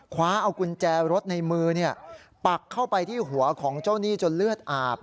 คว้าเอากุญแจรถในมือปักเข้าไปที่หัวของเจ้าหนี้จนเลือดอาบ